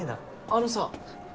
あのさ。